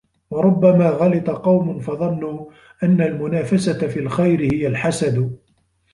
وَرُبَّمَا غَلِطَ قَوْمٌ فَظَنُّوا أَنَّ الْمُنَافَسَةَ فِي الْخَيْرِ هِيَ الْحَسَدُ